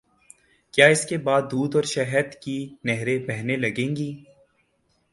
کیا اس کے بعد دودھ اور شہد کی نہریں بہنے لگیں گی؟